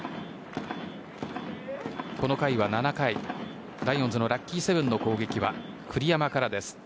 この回は７回、ライオンズのラッキーセブンの攻撃は栗山からです。